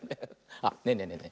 あっねえねえねえね